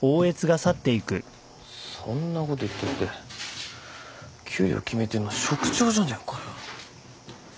そんなこと言ったって給料決めてんの職長じゃねえかよ。